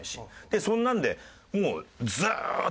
でそんなんでもう。